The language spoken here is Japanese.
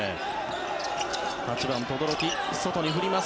８番、轟外に振ります。